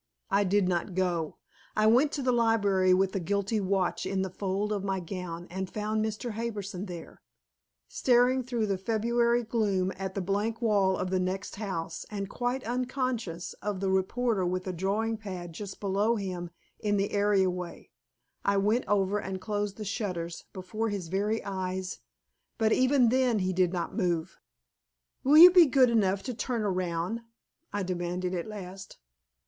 I did not go. I went into the library with the guilty watch in the fold of my gown, and found Mr. Harbison there, staring through the February gloom at the blank wall of the next house, and quite unconscious of the reporter with a drawing pad just below him in the area way. I went over and closed the shutters before his very eyes, but even then he did not move. "Will you be good enough to turn around?" I demanded at last.